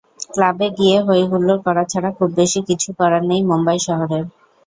ক্লাবে গিয়ে হই-হুল্লোড় করা ছাড়া খুব বেশি কিছু করার নেই মুম্বাই শহরে।